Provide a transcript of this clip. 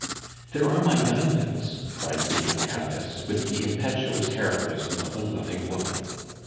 "There are my diamonds," cried the young Countess, with the impetuous heroism of a loving woman.